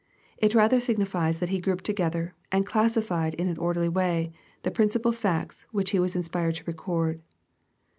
It rather signifies that he grouped together, and classified in an or derly way, the principal fects which he was inspired to record.